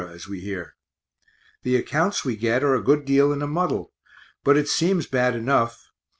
as we hear. The accounts we get are a good deal in a muddle, but it seems bad enough.